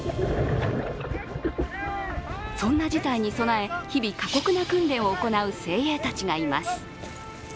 そんな事態に備え、日々過酷な訓練を行う精鋭たちがいます。